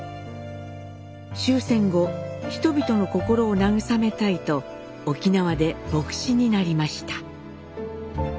終戦後人々の心を慰めたいと沖縄で牧師になりました。